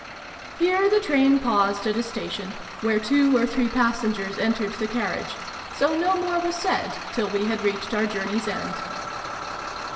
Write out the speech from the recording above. Here the train paused at a station, where two or three passengers entered the carriage ; so no more was said till we had reached our journey's end.